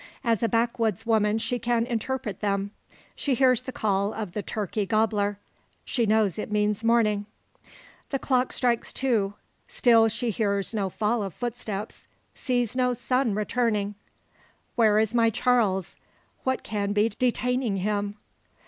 As a backwoods woman she can interpret them. She hears the call of the turkey "gobbler." She knows it means morning. The clock strikes two; still she hears no fall of footstep sees no son returning! "Where is my Charles? What can be detaining him?"